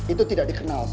itu tidak dikenal sama raya